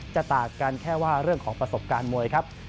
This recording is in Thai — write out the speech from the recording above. จะต่างกันแค่ว่าเรื่องของประสบการณ์มวยครับ